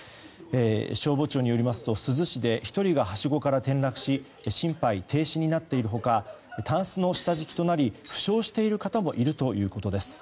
消防庁によりますと珠洲市で１人がはしごから転落し心肺停止になっている他たんすの下敷きとなり負傷している方もいるということです。